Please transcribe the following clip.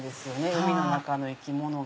海の中の生き物が。